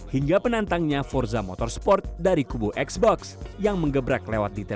hingga penantangnya forza motorsport dari kubu xbox yang mengebrak lewat detail